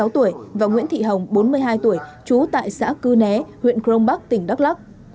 bốn mươi sáu tuổi và nguyễn thị hồng bốn mươi hai tuổi trú tại xã cư né huyện crong bắc tỉnh đắk lắk